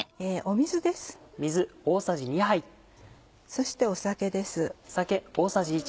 そして酒です。